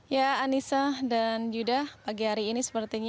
ya anissa dan yudha pagi hari ini seperti ini